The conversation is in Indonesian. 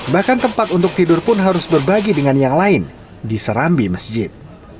bahkan tempat untuk tidur pun harus berbagi dengan yang lain di serambi masjid